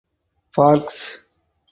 Parks.